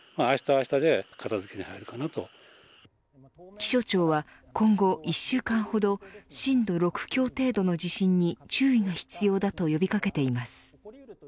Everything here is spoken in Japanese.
気象庁は今後１週間ほど震度６強程度の地震に注意が必要だと呼び掛けています。